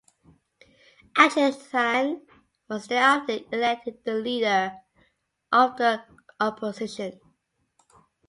Achuthanandan was thereafter elected the leader of the opposition.